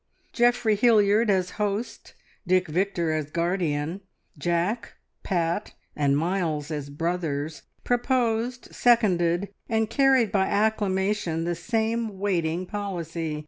Geoffrey Hilliard as host, Dick Victor as guardian, Jack, Pat, and Miles as brothers, proposed, seconded, and carried by acclamation the same waiting policy.